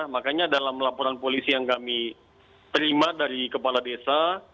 makanya dalam laporan polisi yang kami terima dari kepala desa